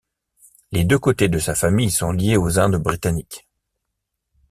Les deux côtés de sa famille sont liées aux Indes Britanniques.